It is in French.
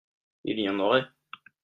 Il y en aurait.